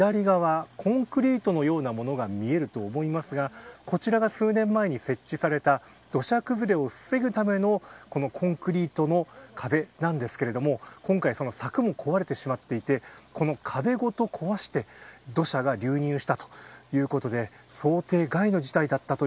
画面の左側、コンクリートのようなものが見えると思いますがこちらが数年前に設置された土砂崩れを防ぐためのコンクリートの壁なんですけど今回、その柵も壊れてしまっていてこの壁ごと壊して土砂が流入したということで想定外の事態だったと